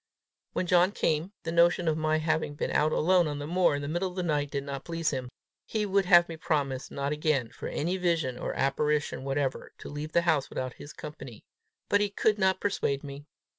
When John came, the notion of my having been out alone on the moor in the middle of the night, did not please him. He would have me promise not again, for any vision or apparition whatever, to leave the house without his company. But he could not persuade me.